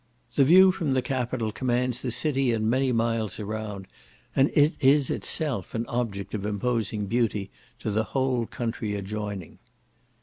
The view from the capitol commands the city and many miles around, and it is itself an object of imposing beauty to the whole country adjoining.